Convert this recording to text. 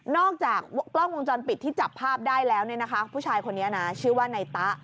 อกจากกล้องวงจรปิดที่จับภาพได้แล้วเนี่ยนะคะผู้ชายคนนี้นะชื่อว่านายตะ